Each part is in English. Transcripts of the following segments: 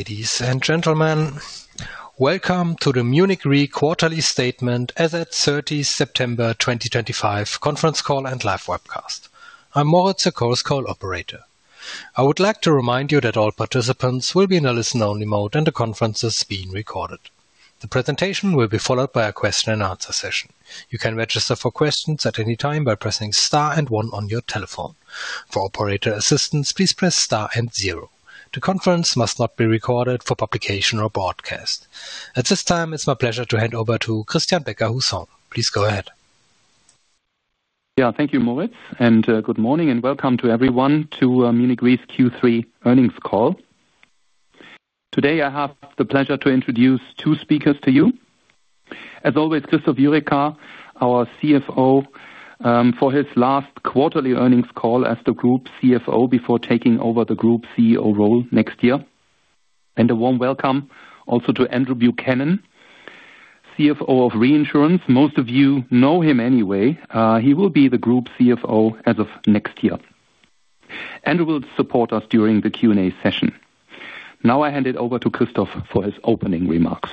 Ladies and gentlemen, welcome to the Munich Re Quarterly Statement as at 30 September 2025 conference call and live webcast. I'm Moritz, your Chorus Call operator. I would like to remind you that all participants will be in a listen-only mode and the conference is being recorded. The presentation will be followed by a question-and-answer session. You can register for questions at any time by pressing star and one on your telephone. For operator assistance, please press star and zero. The conference must not be recorded for publication or broadcast. At this time, it's my pleasure to hand over to Christian Becker-Hussong. Please go ahead. Yeah, thank you, Moritz, and good morning and welcome to everyone to Munich Re's Q3 earnings call. Today, I have the pleasure to introduce two speakers to you. As always, Christoph Jurecka, our CFO, for his last quarterly earnings call as the Group CFO before taking over the Group CEO role next year. A warm welcome also to Andrew Buchanan, CFO of Reinsurance. Most of you know him anyway. He will be the Group CFO as of next year. Andrew will support us during the Q&A session. Now I hand it over to Christoph for his opening remarks.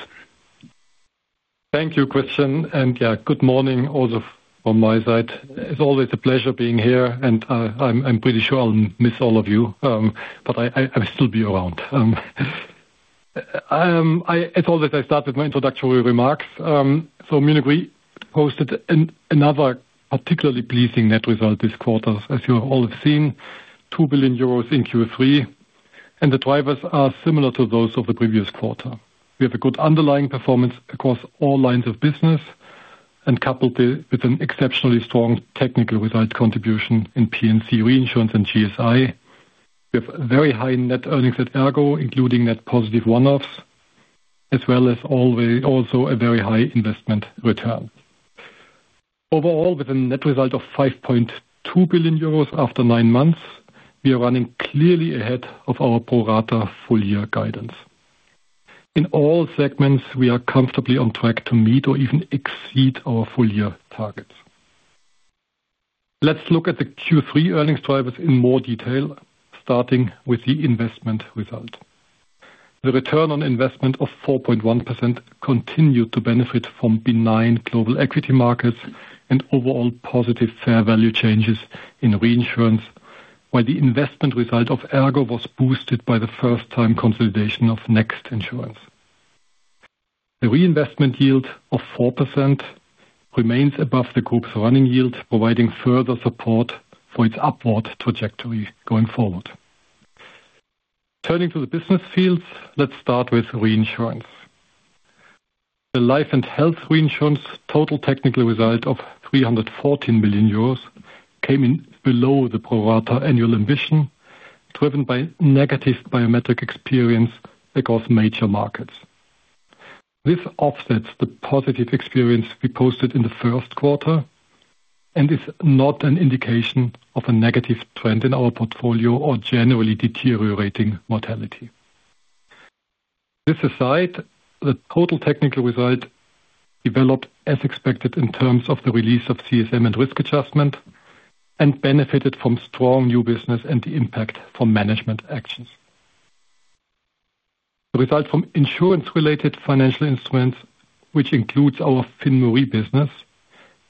Thank you, Christian. Yeah, good morning also from my side. It's always a pleasure being here, and I'm pretty sure I'll miss all of you, but I will still be around. As always, I start with my introductory remarks. Munich Re posted another particularly pleasing net result this quarter, as you all have seen, EUR 2 billion in Q3, and the drivers are similar to those of the previous quarter. We have a good underlying performance across all lines of business, coupled with an exceptionally strong technical result contribution in P&C Reinsurance and GSI. We have very high net earnings at ERGO, including net positive one-offs, as well as also a very high investment return. Overall, with a net result of 5.2 billion euros after nine months, we are running clearly ahead of our pro rata full-year guidance. In all segments, we are comfortably on track to meet or even exceed our full-year targets. Let's look at the Q3 earnings drivers in more detail, starting with the investment result. The return on investment of 4.1% continued to benefit from benign global equity markets and overall positive fair value changes in Reinsurance, while the investment result of ERGO was boosted by the first-time consolidation of Next Insurance. The reinvestment yield of 4% remains above the group's running yield, providing further support for its upward trajectory going forward. Turning to the business fields, let's start with Reinsurance. The life and health reinsurance total technical result of 314 million euros came in below the pro rata annual ambition, driven by negative biometric experience across major markets. This offsets the positive experience we posted in the first quarter and is not an indication of a negative trend in our portfolio or generally deteriorating mortality. This aside, the total technical result developed as expected in terms of the release of CSM and risk adjustment and benefited from strong new business and the impact from management actions. The result from insurance-related financial instruments, which includes our [FinMuri] business,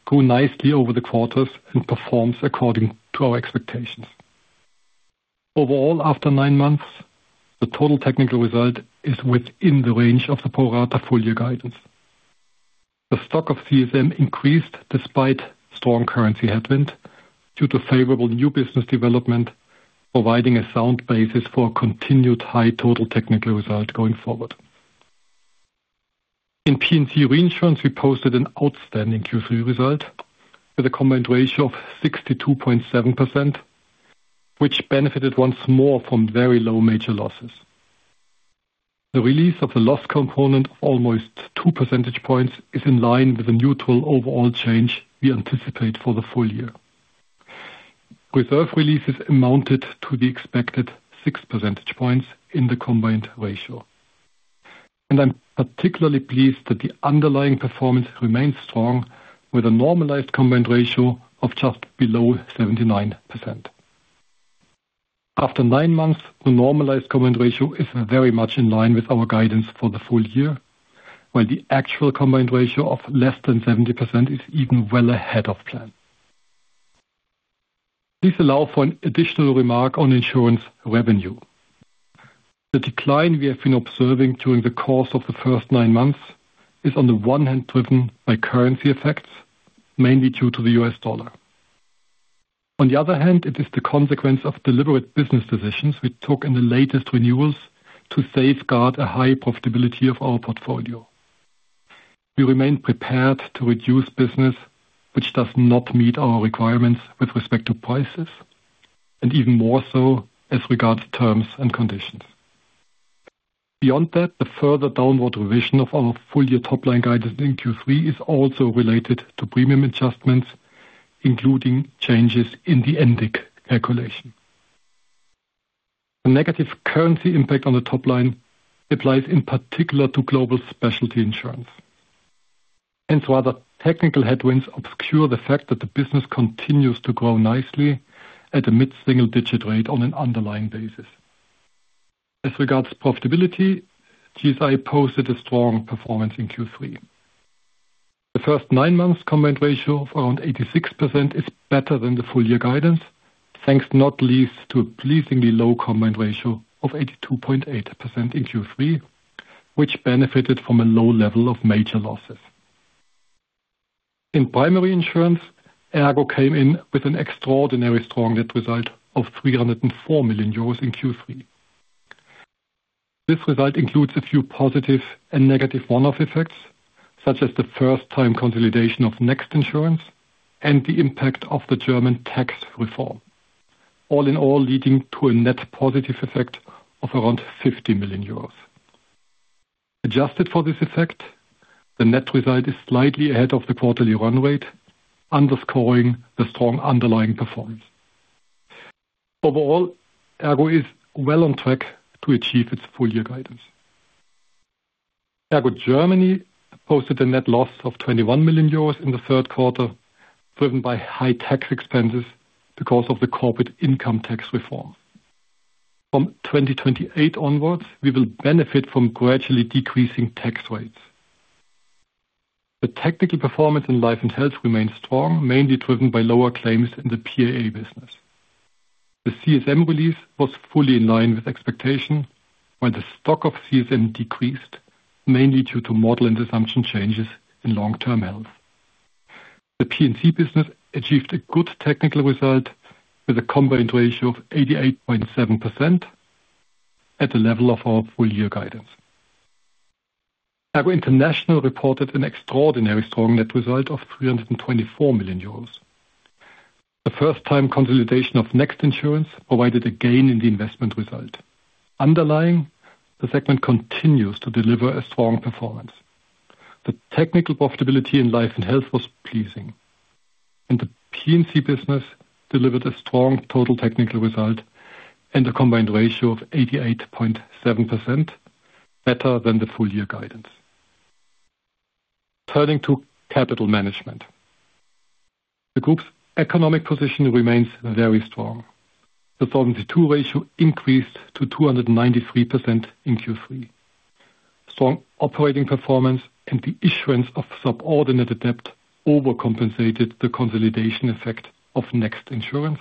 grew nicely over the quarters and performs according to our expectations. Overall, after nine months, the total technical result is within the range of the pro rata full-year guidance. The stock of CSM increased despite strong currency headwind due to favorable new business development, providing a sound basis for continued high total technical result going forward. In P&C Reinsurance, we posted an outstanding Q3 result with a combined ratio of 62.7%, which benefited once more from very low major losses. The release of the loss component of almost 2 percentage points is in line with the neutral overall change we anticipate for the full year. Reserve releases amounted to the expected 6 percentage points in the combined ratio. I am particularly pleased that the underlying performance remains strong with a normalized combined ratio of just below 79%. After nine months, the normalized combined ratio is very much in line with our guidance for the full year, while the actual combined ratio of less than 70% is even well ahead of plan. Please allow for an additional remark on insurance revenue. The decline we have been observing during the course of the first nine months is, on the one hand, driven by currency effects, mainly due to the U.S. dollar. On the other hand, it is the consequence of deliberate business decisions we took in the latest renewals to safeguard a high profitability of our portfolio. We remain prepared to reduce business, which does not meet our requirements with respect to prices, and even more so as regards terms and conditions. Beyond that, the further downward revision of our full-year top-line guidance in Q3 is also related to premium adjustments, including changes in the endic calculation. The negative currency impact on the top-line applies in particular to Global Specialty Insurance. Hence, rather technical headwinds obscure the fact that the business continues to grow nicely at a mid-single-digit rate on an underlying basis. As regards profitability, GSI posted a strong performance in Q3. The first nine months' combined ratio of around 86% is better than the full-year guidance, thanks not least to a pleasingly low combined ratio of 82.8% in Q3, which benefited from a low level of major losses. In primary insurance, ERGO came in with an extraordinarily strong net result of 304 million euros in Q3. This result includes a few positive and negative one-off effects, such as the first-time consolidation of Next Insurance and the impact of the German tax reform. All in all, leading to a net positive effect of around 50 million euros. Adjusted for this effect, the net result is slightly ahead of the quarterly run rate, underscoring the strong underlying performance. Overall, ERGO is well on track to achieve its full-year guidance. ERGO Germany posted a net loss of 21 million euros in the third quarter, driven by high tax expenses because of the corporate income tax reform. From 2028 onwards, we will benefit from gradually decreasing tax rates. The technical performance in life and health remains strong, mainly driven by lower claims in the PAA business. The CSM release was fully in line with expectation, while the stock of CSM decreased, mainly due to model and assumption changes in long-term health. The P&C business achieved a good technical result with a combined ratio of 88.7% at the level of our full-year guidance. ERGO International reported an extraordinarily strong net result of 324 million euros. The first-time consolidation of Next Insurance provided a gain in the investment result. Underlying, the segment continues to deliver a strong performance. The technical profitability in life and health was pleasing, and the P&C business delivered a strong total technical result and a combined ratio of 88.7%, better than the full-year guidance. Turning to capital management, the group's economic position remains very strong. The Solvency II ratio increased to 293% in Q3. Strong operating performance and the issuance of subordinated debt overcompensated the consolidation effect of Next Insurance,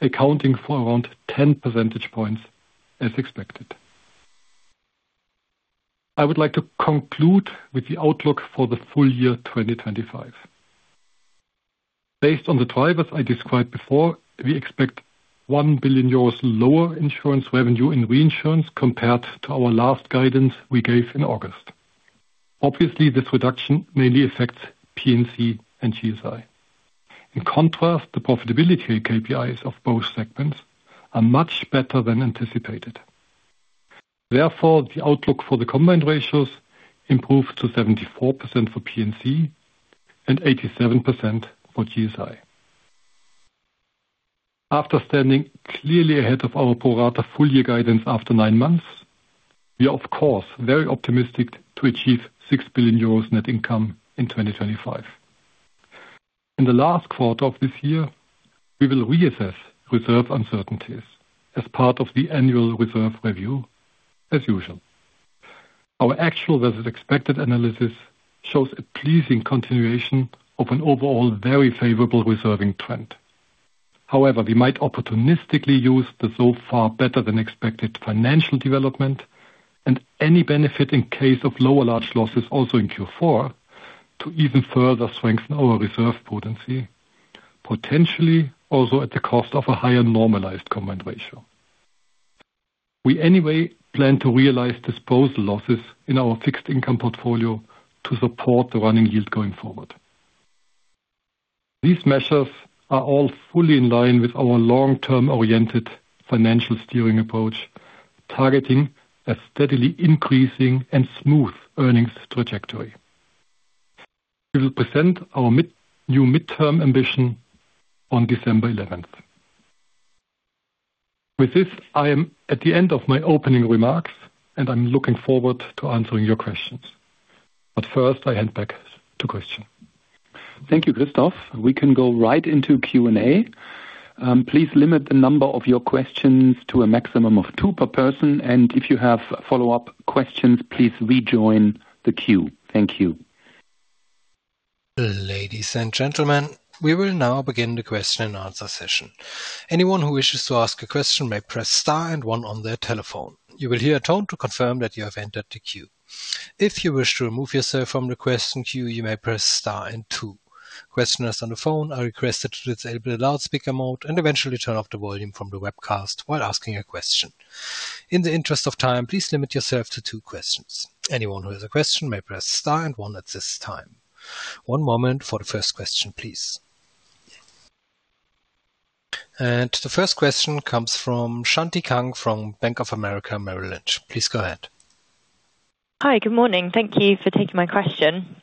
accounting for around 10 percentage points as expected. I would like to conclude with the outlook for the full year 2025. Based on the drivers I described before, we expect 1 billion euros lower insurance revenue in Reinsurance compared to our last guidance we gave in August. Obviously, this reduction mainly affects P&C and GSI. In contrast, the profitability KPIs of both segments are much better than anticipated. Therefore, the outlook for the combined ratios improved to 74% for P&C and 87% for GSI. After standing clearly ahead of our pro rata full-year guidance after nine months, we are, of course, very optimistic to achieve 6 billion euros net income in 2025. In the last quarter of this year, we will reassess reserve uncertainties as part of the annual reserve review, as usual. Our actual versus expected analysis shows a pleasing continuation of an overall very favorable reserving trend. However, we might opportunistically use the so far better than expected financial development and any benefit in case of lower large losses also in Q4 to even further strengthen our reserve potency, potentially also at the cost of a higher normalized combined ratio. We anyway plan to realize disposal losses in our fixed income portfolio to support the running yield going forward. These measures are all fully in line with our long-term oriented financial steering approach, targeting a steadily increasing and smooth earnings trajectory. We will present our new midterm ambition on December 11th. With this, I am at the end of my opening remarks, and I'm looking forward to answering your questions. First, I hand back to Christian. Thank you, Christoph. We can go right into Q&A. Please limit the number of your questions to a maximum of two per person. If you have follow-up questions, please rejoin the queue. Thank you. Ladies and gentlemen, we will now begin the question and answer session. Anyone who wishes to ask a question may press star and one on their telephone. You will hear a tone to confirm that you have entered the queue. If you wish to remove yourself from the question queue, you may press star and two. Questioners on the phone are requested to disable the loudspeaker mode and eventually turn off the volume from the webcast while asking a question. In the interest of time, please limit yourself to two questions. Anyone who has a question may press star and one at this time. One moment for the first question, please. The first question comes from Shanti Kang from Bank of America Merrill Lynch. Please go ahead. Hi, good morning. Thank you for taking my question.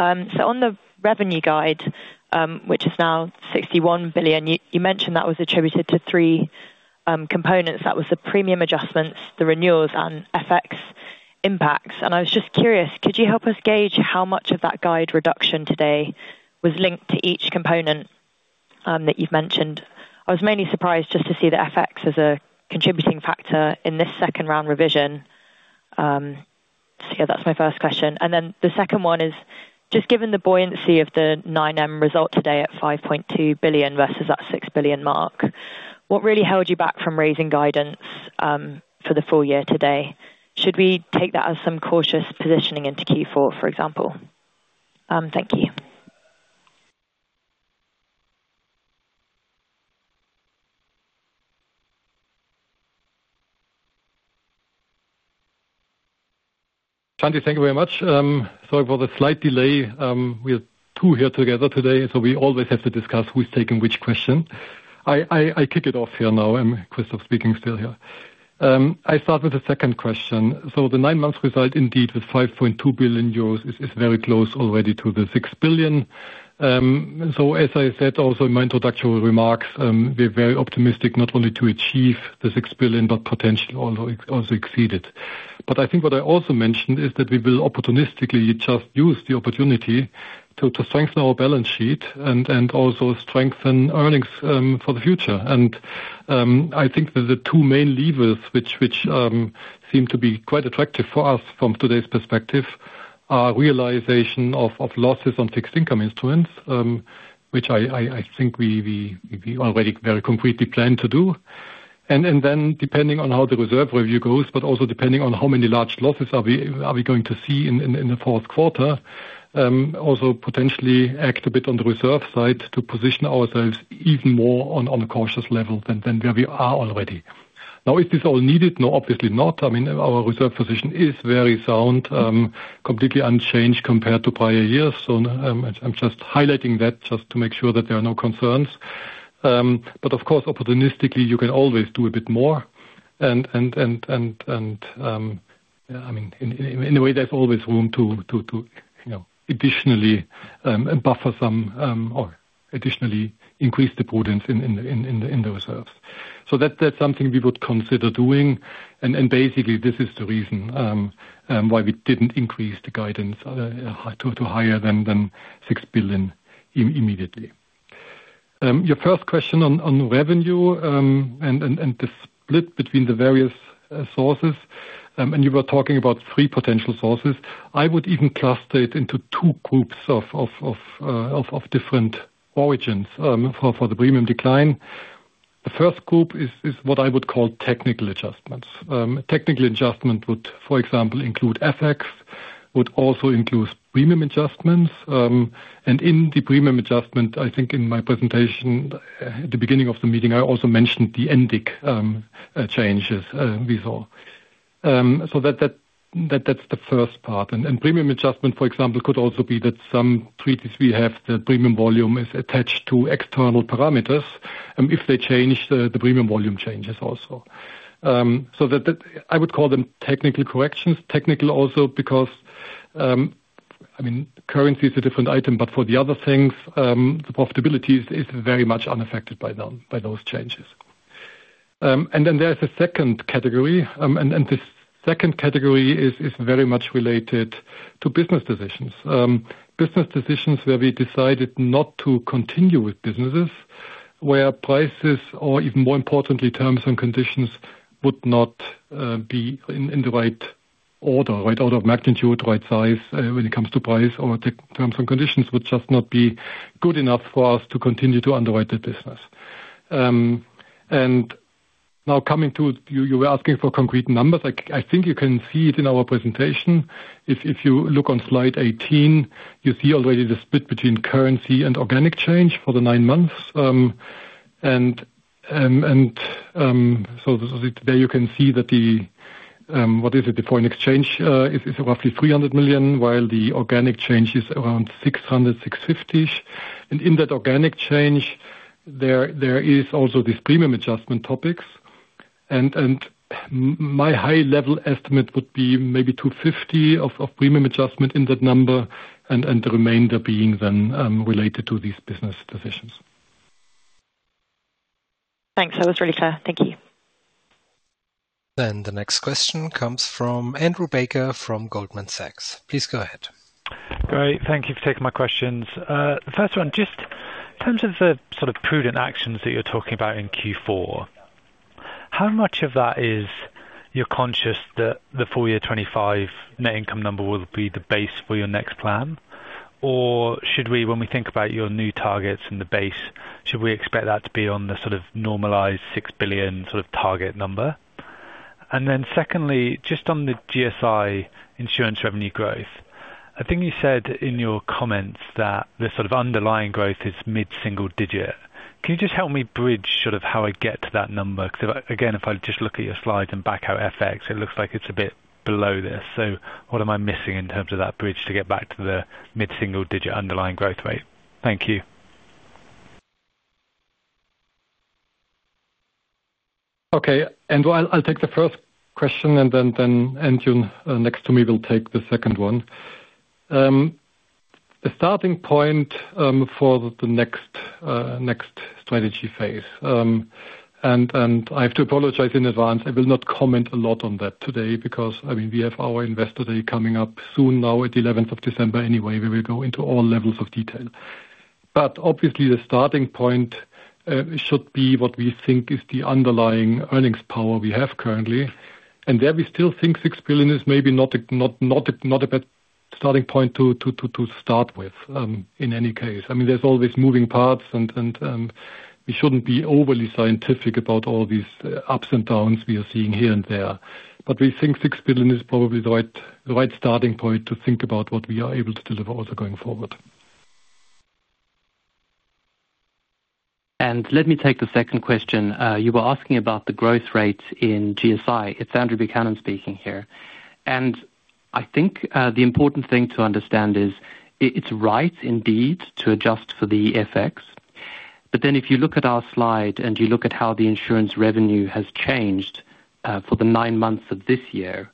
On the revenue guide, which is now 61 billion, you mentioned that was attributed to three components. That was the premium adjustments, the renewals, and FX impacts. I was just curious, could you help us gauge how much of that guide reduction today was linked to each component that you've mentioned? I was mainly surprised just to see the FX as a contributing factor in this second-round revision. That's my first question. The second one is, just given the buoyancy of the 9M result today at 5.2 billion versus that 6 billion mark, what really held you back from raising guidance for the full year today? Should we take that as some cautious positioning into Q4, for example? Thank you. Shanti, thank you very much. Sorry for the slight delay. We are two here together today, so we always have to discuss who's taking which question. I kick it off here now. I'm Christoph speaking still here. I start with the second question. The nine-month result, indeed, with 5.2 billion euros is very close already to the 6 billion. As I said also in my introductory remarks, we're very optimistic not only to achieve the 6 billion, but potentially also exceed it. I think what I also mentioned is that we will opportunistically just use the opportunity to strengthen our balance sheet and also strengthen earnings for the future. I think that the two main levers which seem to be quite attractive for us from today's perspective are realization of losses on fixed income instruments, which I think we already very concretely plan to do. Depending on how the reserve review goes, but also depending on how many large losses we are going to see in the fourth quarter, we may also potentially act a bit on the reserve side to position ourselves even more on a cautious level than where we are already. Is this all needed? No, obviously not. I mean, our reserve position is very sound, completely unchanged compared to prior years. I am just highlighting that to make sure that there are no concerns. Of course, opportunistically, you can always do a bit more. I mean, in a way, there is always room to additionally buffer some or additionally increase the prudence in the reserves. That is something we would consider doing. Basically, this is the reason why we did not increase the guidance to higher than 6 billion immediately. Your first question on revenue and the split between the various sources, and you were talking about three potential sources, I would even cluster it into two groups of different origins for the premium decline. The first group is what I would call technical adjustments. Technical adjustment would, for example, include FX, would also include premium adjustments. In the premium adjustment, I think in my presentation at the beginning of the meeting, I also mentioned the index changes we saw. That is the first part. Premium adjustment, for example, could also be that some treaties we have, the premium volume is attached to external parameters. If they change, the premium volume changes also. I would call them technical corrections, technical also, because currency is a different item, but for the other things, the profitability is very much unaffected by those changes. There is a second category. The second category is very much related to business decisions. Business decisions where we decided not to continue with businesses where prices, or even more importantly, terms and conditions would not be in the right order, right order of magnitude, right size when it comes to price or terms and conditions would just not be good enough for us to continue to underwrite the business. Now coming to, you were asking for concrete numbers. I think you can see it in our presentation. If you look on slide 18, you see already the split between currency and organic change for the nine months. There you can see that the, what is it, the foreign exchange is roughly 300 million, while the organic change is around 600 million, 650 million. In that organic change, there is also these premium adjustment topics. My high-level estimate would be maybe 250 million of premium adjustment in that number, and the remainder being then related to these business decisions. Thanks. That was really clear. Thank you. The next question comes from Andrew Baker from Goldman Sachs. Please go ahead. Great. Thank you for taking my questions. The first one, just in terms of the sort of prudent actions that you're talking about in Q4, how much of that is you're conscious that the full year 2025 net income number will be the base for your next plan? Or should we, when we think about your new targets and the base, should we expect that to be on the sort of normalized 6 billion sort of target number? And then secondly, just on the GSI insurance revenue growth, I think you said in your comments that the sort of underlying growth is mid-single digit. Can you just help me bridge sort of how I get to that number? Because again, if I just look at your slides and back out FX, it looks like it's a bit below this. What am I missing in terms of that bridge to get back to the mid-single digit underlying growth rate? Thank you. Okay. I'll take the first question, and then Andrew next to me will take the second one. The starting point for the next strategy phase. I have to apologize in advance. I will not comment a lot on that today because, I mean, we have our investor day coming up soon now at the 11th of December anyway. We will go into all levels of detail. Obviously, the starting point should be what we think is the underlying earnings power we have currently. There we still think 6 billion is maybe not a bad starting point to start with in any case. I mean, there are always moving parts, and we should not be overly scientific about all these ups and downs we are seeing here and there. We think 6 billion is probably the right starting point to think about what we are able to deliver also going forward. Let me take the second question. You were asking about the growth rate in GSI. It is Andrew Buchanan speaking here. I think the important thing to understand is it is right indeed to adjust for the FX. If you look at our slide and you look at how the insurance revenue has changed for the nine months of this year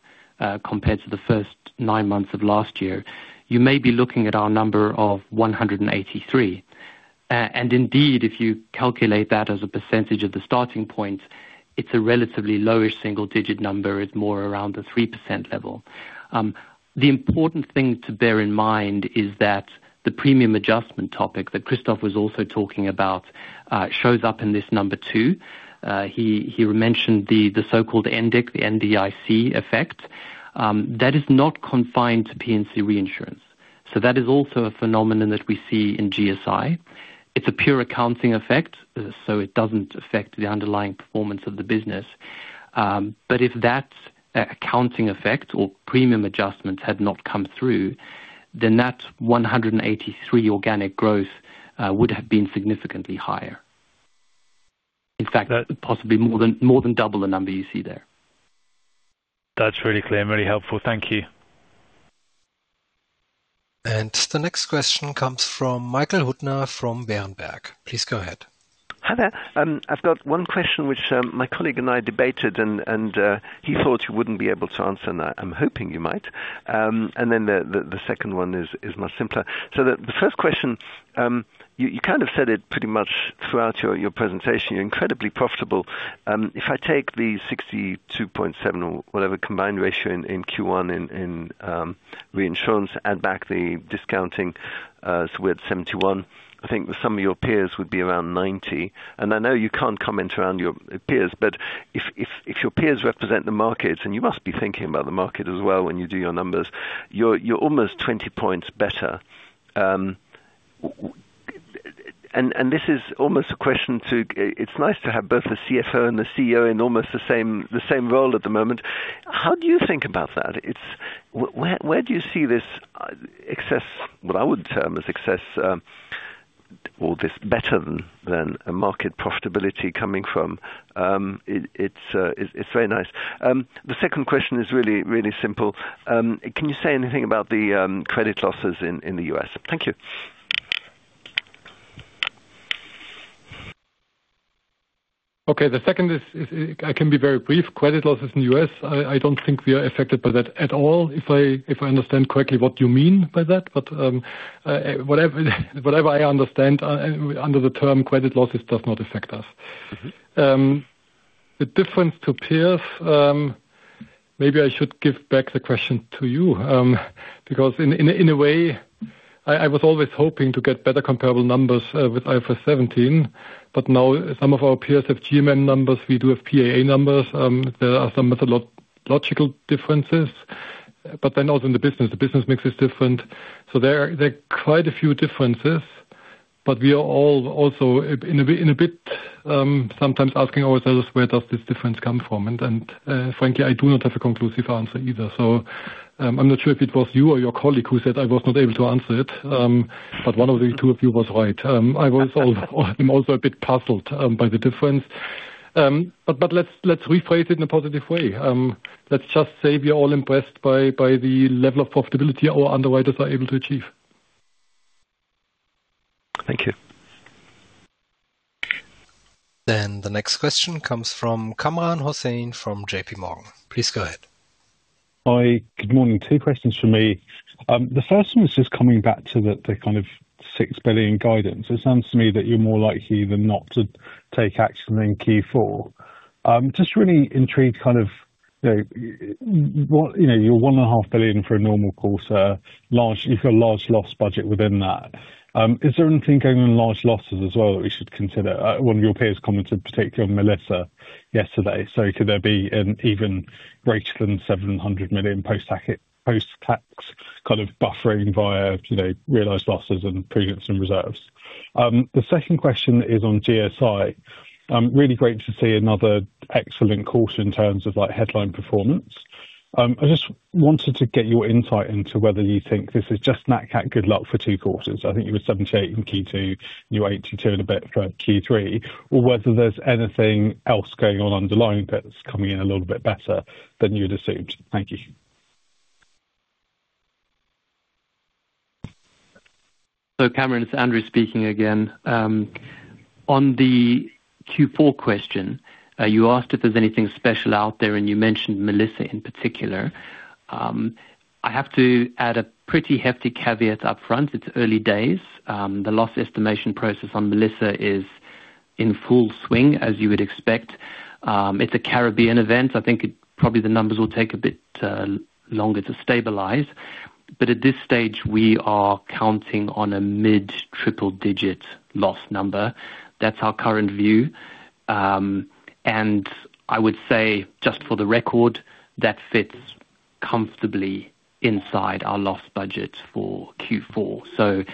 compared to the first nine months of last year, you may be looking at our number of 183 million. If you calculate that as a percentage of the starting point, it is a relatively lowish single-digit number. It is more around the 3% level. The important thing to bear in mind is that the premium adjustment topic that Christoph was also talking about shows up in this number too. He mentioned the so-called NDIC effect. That is not confined to P&C Reinsurance. That is also a phenomenon that we see in GSI. It is a pure accounting effect, so it does not affect the underlying performance of the business. If that accounting effect or premium adjustments had not come through, then that 183 million organic growth would have been significantly higher. In fact, possibly more than double the number you see there. That's really clear and really helpful. Thank you. The next question comes from Michael Huttner from Berenberg. Please go ahead. Hi there. I've got one question which my colleague and I debated, and he thought he would not be able to answer, and I'm hoping you might. The second one is much simpler. The first question, you kind of said it pretty much throughout your presentation. You're incredibly profitable. If I take the 62.7% or whatever combined ratio in Q1 in reinsurance and back the discounting with 71, I think some of your peers would be around 90. I know you cannot comment around your peers, but if your peers represent the markets, and you must be thinking about the market as well when you do your numbers, you're almost 20 percentage points better. This is almost a question to, it's nice to have both the CFO and the CEO in almost the same role at the moment. How do you think about that? Where do you see this excess, what I would term as excess, or this better than a market profitability coming from? It's very nice. The second question is really, really simple. Can you say anything about the credit losses in the U.S.? Thank you. Okay. The second is, I can be very brief. Credit losses in the U.S., I do not think we are affected by that at all, if I understand correctly what you mean by that. Whatever I understand under the term credit losses does not affect us. The difference to peers, maybe I should give back the question to you because in a way, I was always hoping to get better comparable numbers with IFRS 17, but now some of our peers have GMM numbers. We do have PAA numbers. There are some logical differences, but then also in the business, the business mix is different. There are quite a few differences, but we are all also in a bit sometimes asking ourselves, where does this difference come from? Frankly, I do not have a conclusive answer either. I'm not sure if it was you or your colleague who said I was not able to answer it, but one of the two of you was right. I am also a bit puzzled by the difference. Let's rephrase it in a positive way. Let's just say we are all impressed by the level of profitability our underwriters are able to achieve. Thank you. The next question comes from Kamran Hossain from JPMorgan. Please go ahead. Hi. Good morning. Two questions for me. The first one is just coming back to the kind of 6 billion guidance. It sounds to me that you're more likely than not to take action in Q4. Just really intrigued, kind of your 1.5 billion for a normal quarter, you've got a large loss budget within that. Is there anything going on with large losses as well that we should consider? One of your peers commented particularly on Melissa yesterday. Could there be an even greater than 700 million post-tax kind of buffering via realized losses and prudence and reserves? The second question is on GSI. Really great to see another excellent quarter in terms of headline performance. I just wanted to get your insight into whether you think this is just knack-knack good luck for two quarters. I think you were 78% in Q2, you were 82% and a bit for Q3, or whether there's anything else going on underlying that's coming in a little bit better than you had assumed. Thank you. Kamran, it's Andrew speaking again. On the Q4 question, you asked if there's anything special out there, and you mentioned Melissa in particular. I have to add a pretty hefty caveat upfront. It's early days. The loss estimation process on Melissa is in full swing, as you would expect. It's a Caribbean event. I think probably the numbers will take a bit longer to stabilize. At this stage, we are counting on a mid-triple digit loss number. That's our current view. I would say, just for the record, that fits comfortably inside our loss budget for Q4.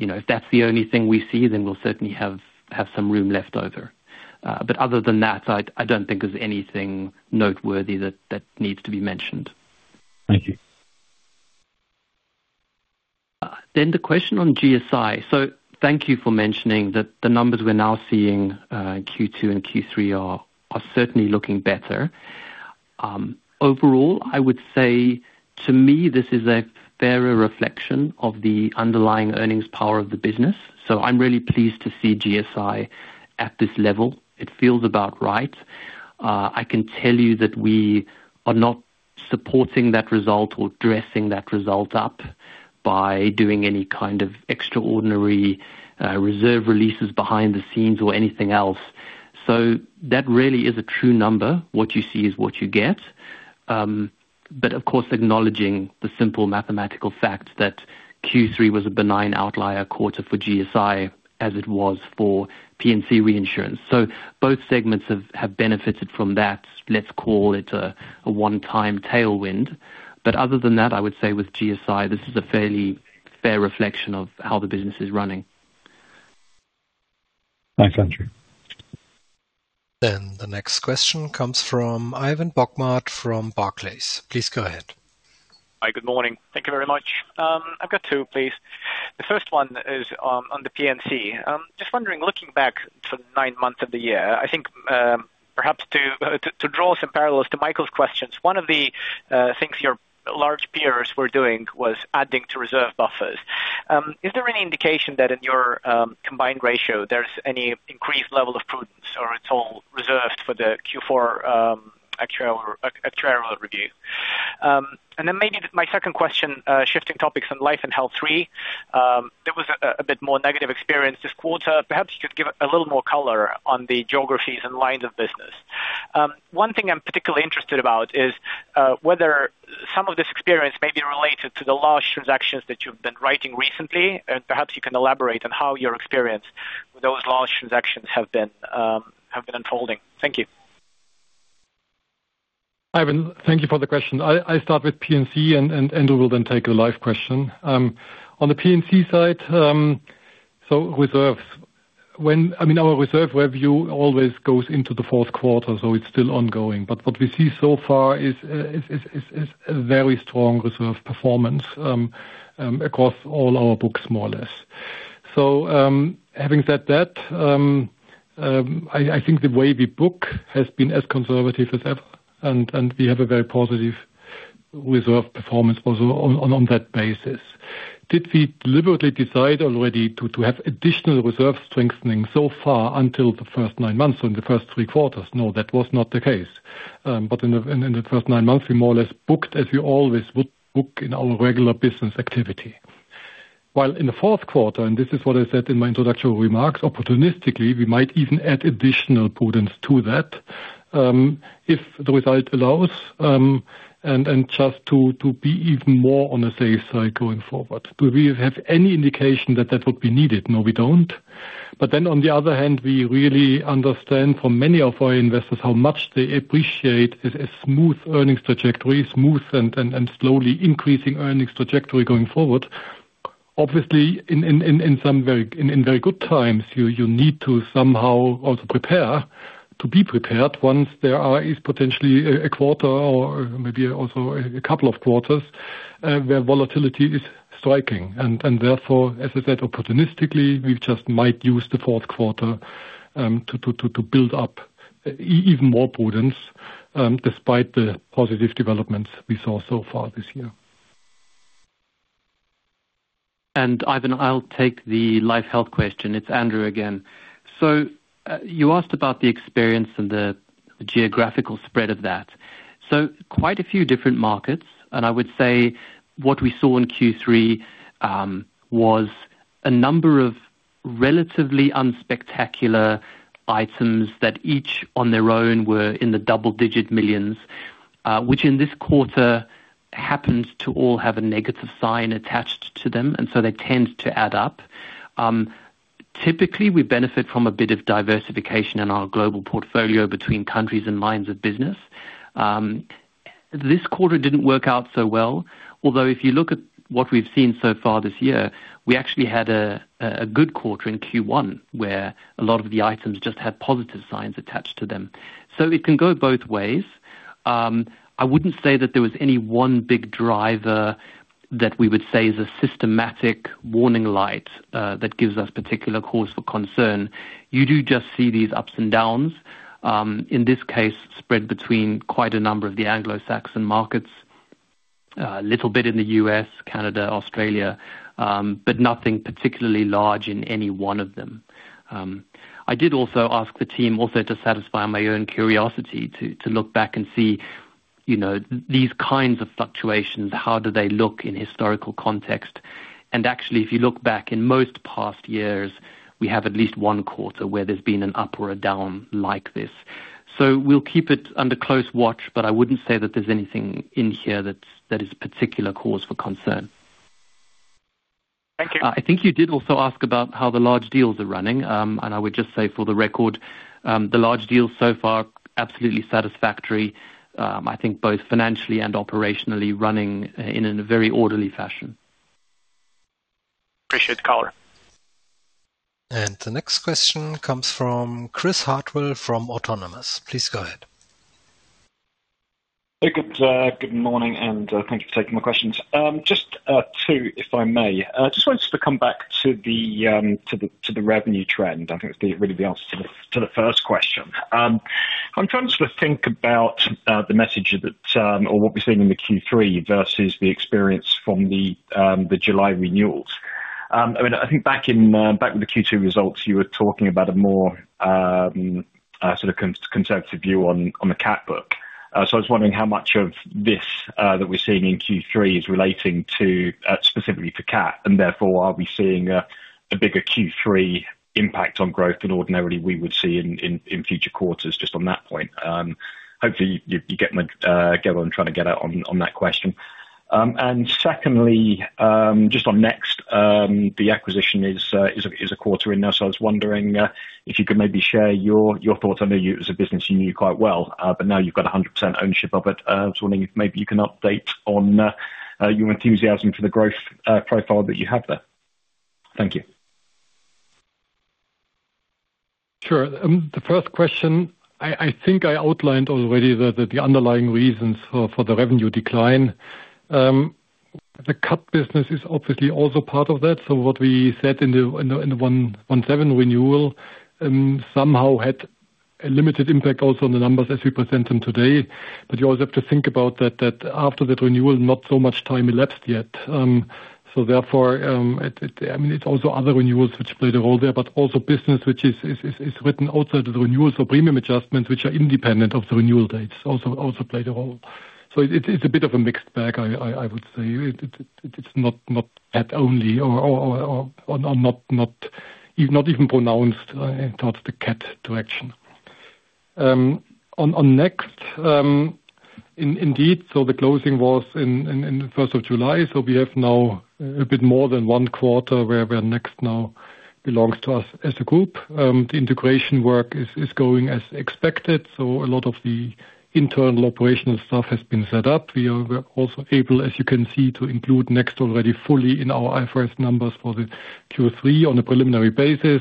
If that's the only thing we see, then we'll certainly have some room left over. Other than that, I don't think there's anything noteworthy that needs to be mentioned. Thank you. The question on GSI, thank you for mentioning that the numbers we're now seeing in Q2 and Q3 are certainly looking better. Overall, I would say to me, this is a fairer reflection of the underlying earnings power of the business. I'm really pleased to see GSI at this level. It feels about right. I can tell you that we are not supporting that result or dressing that result up by doing any kind of extraordinary reserve releases behind the scenes or anything else. That really is a true number. What you see is what you get. Of course, acknowledging the simple mathematical fact that Q3 was a benign outlier quarter for GSI as it was for P&C Reinsurance. Both segments have benefited from that, let's call it a one-time tailwind. Other than that, I would say with GSI, this is a fairly fair reflection of how the business is running. Thanks, Andrew. The next question comes from Ivan Bokhmat from Barclays. Please go ahead. Hi. Good morning. Thank you very much. I've got two, please. The first one is on the P&C. Just wondering, looking back for the nine months of the year, I think perhaps to draw some parallels to Michael's questions, one of the things your large peers were doing was adding to reserve buffers. Is there any indication that in your combined ratio, there's any increased level of prudence or it's all reserved for the Q4 actuarial review? Maybe my second question, shifting topics on life and health three, there was a bit more negative experience this quarter. Perhaps you could give a little more color on the geographies and lines of business. One thing I'm particularly interested about is whether some of this experience may be related to the large transactions that you've been writing recently, and perhaps you can elaborate on how your experience with those large transactions has been unfolding. Thank you. Ivan, thank you for the question. I'll start with P&C, and Andrew will then take the live question. On the P&C side, reserves, I mean, our reserve review always goes into the fourth quarter, so it's still ongoing. What we see so far is a very strong reserve performance across all our books, more or less. Having said that, I think the way we book has been as conservative as ever, and we have a very positive reserve performance also on that basis. Did we deliberately decide already to have additional reserve strengthening so far until the first nine months, so in the first three quarters? No, that was not the case. In the first nine months, we more or less booked as we always would book in our regular business activity. While in the fourth quarter, and this is what I said in my introductory remarks, opportunistically, we might even add additional prudence to that if the result allows and just to be even more on a safe side going forward. Do we have any indication that that would be needed? No, we do not. On the other hand, we really understand from many of our investors how much they appreciate a smooth earnings trajectory, smooth and slowly increasing earnings trajectory going forward. Obviously, in very good times, you need to somehow also prepare to be prepared once there is potentially a quarter or maybe also a couple of quarters where volatility is striking. Therefore, as I said, opportunistically, we just might use the fourth quarter to build up even more prudence despite the positive developments we saw so far this year. Ivan, I'll take the life health question. It's Andrew again. You asked about the experience and the geographical spread of that. Quite a few different markets, and I would say what we saw in Q3 was a number of relatively unspectacular items that each on their own were in the double-digit millions, which in this quarter happened to all have a negative sign attached to them, and they tend to add up. Typically, we benefit from a bit of diversification in our Global portfolio between countries and lines of business. This quarter did not work out so well, although if you look at what we've seen so far this year, we actually had a good quarter in Q1 where a lot of the items just had positive signs attached to them. It can go both ways. I would not say that there was any one big driver that we would say is a systematic warning light that gives us particular cause for concern. You do just see these ups and downs, in this case, spread between quite a number of the Anglo-Saxon markets, a little bit in the U.S., Canada, Australia, but nothing particularly large in any one of them. I did also ask the team, also to satisfy my own curiosity, to look back and see these kinds of fluctuations, how do they look in historical context. Actually, if you look back in most past years, we have at least one quarter where there has been an up or a down like this. We will keep it under close watch, but I would not say that there is anything in here that is a particular cause for concern. Thank you. I think you did also ask about how the large deals are running, and I would just say for the record, the large deals so far, absolutely satisfactory. I think both financially and operationally running in a very orderly fashion. Appreciate the color. The next question comes from Chris Hartwell from Autonomous. Please go ahead. Hey, good morning, and thank you for taking my questions. Just two, if I may. I just wanted to come back to the revenue trend. I think that's really the answer to the first question. I'm trying to sort of think about the message or what we're seeing in the Q3 versus the experience from the July renewals. I mean, I think back with the Q2 results, you were talking about a more sort of conservative view on the cat book. I was wondering how much of this that we're seeing in Q3 is relating specifically to CAT, and therefore, are we seeing a bigger Q3 impact on growth than ordinarily we would see in future quarters just on that point. Hopefully, you get what I'm trying to get at on that question. Secondly, just on Next, the acquisition is a quarter in now, so I was wondering if you could maybe share your thoughts. I know as a business, you knew quite well, but now you have 100% ownership of it. I was wondering if maybe you can update on your enthusiasm for the growth profile that you have there. Thank you. Sure. The first question, I think I outlined already the underlying reasons for the revenue decline. The cat business is obviously also part of that. What we said in the 1.7 renewal somehow had a limited impact also on the numbers as we present them today. You also have to think about that after the renewal, not so much time elapsed yet. Therefore, I mean, it's also other renewals which played a role there, but also business which is written outside the renewal. Premium adjustments, which are independent of the renewal dates, also played a role. It's a bit of a mixed bag, I would say. It's not cat only or not even pronounced towards the cat direction. On Next, indeed, the closing was on the first of July. We have now a bit more than one quarter where Next now belongs to us as a group. The integration work is going as expected. A lot of the internal operational stuff has been set up. We are also able, as you can see, to include Next already fully in our IFRS numbers for the Q3 on a preliminary basis.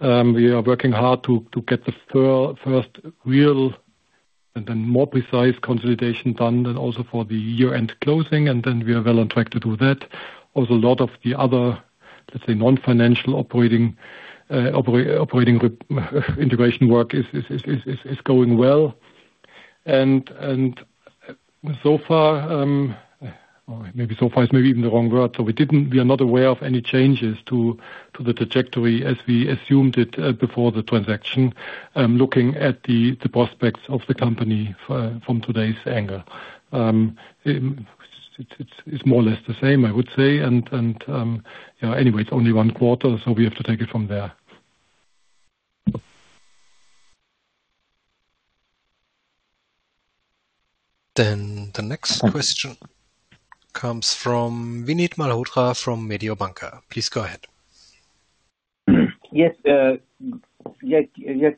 We are working hard to get the first real and then more precise consolidation done then also for the year-end closing. We are well on track to do that. A lot of the other, let's say, non-financial operating integration work is going well. So far, or maybe so far is maybe even the wrong word, we are not aware of any changes to the trajectory as we assumed it before the transaction, looking at the prospects of the company from today's angle. Is more or less the same, I would say. Anyway, it is only one quarter, so we have to take it from there. The next question comes from Vinit Malhotra from Mediobanca. Please go ahead. Yes. Yes.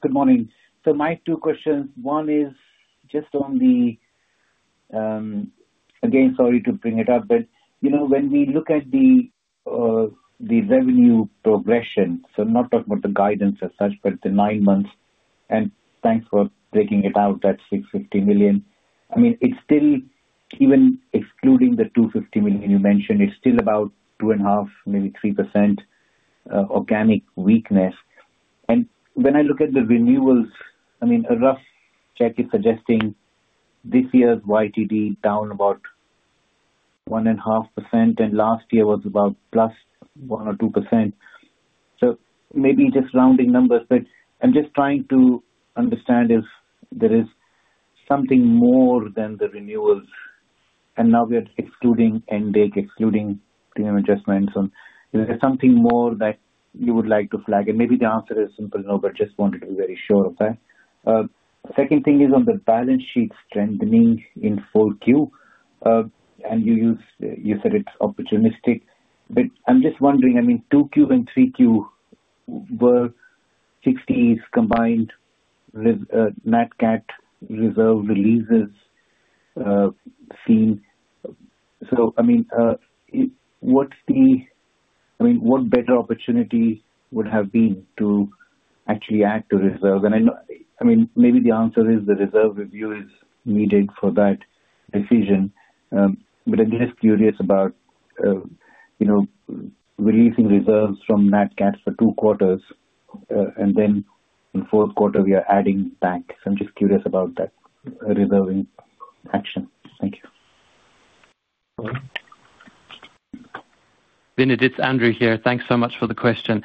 Good morning. My two questions, one is just on the, again, sorry to bring it up, but when we look at the revenue progression, not talking about the guidance as such, but the nine months, and thanks for breaking it out at 650 million. I mean, it's still, even excluding the 250 million you mentioned, it's still about 2.5%, maybe 3% organic weakness. When I look at the renewals, a rough check is suggesting this year's YTD down about 1.5%, and last year was about +1% or 2%. Maybe just rounding numbers, but I'm just trying to understand if there is something more than the renewals. Now we are excluding end date, excluding premium adjustments. Is there something more that you would like to flag? Maybe the answer is simple, but just wanted to be very sure of that. Second thing is on the balance sheet strengthening in full Q, and you said it's opportunistic. I'm just wondering, I mean, 2Q and 3Q were 60s combined with Nat cat reserve releases seen. I mean, what better opportunity would have been to actually add to reserve? Maybe the answer is the reserve review is needed for that decision. I'm just curious about releasing reserves from Nat cat for two quarters, and then in fourth quarter, we are adding back. I'm just curious about that reserving action. Thank you. Vinit, it's Andrew here. Thanks so much for the question.